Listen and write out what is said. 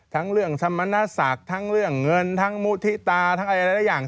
ทั้งเรื่องสมณศักดิ์ทั้งเรื่องเงินทั้งมุฒิตาทั้งอะไรได้อย่าง